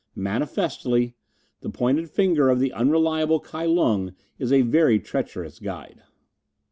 Manifestedly the pointed finger of the unreliable Kai Lung is a very treacherous guide."